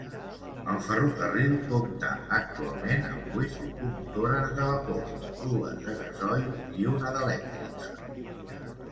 El ferrocarril compta actualment amb vuit locomotores de vapor, dues de gasoil i una d'elèctrica.